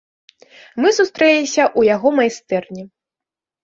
Мы сустрэліся ў яго майстэрні.